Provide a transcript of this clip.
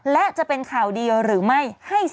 และจะเป็นข่าวเดียวหรือไม่